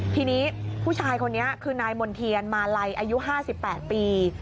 ทีนี้ผู้ชายคนนี้คือนายมณ์เทียนมาลัยอายุ๕๘ปี